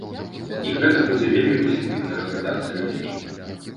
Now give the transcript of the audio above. І гэта будзе вельмі пазітыўна разглядацца людзьмі.